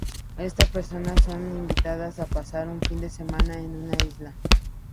Estas personas son invitadas a pasar un fin de semana en una isla.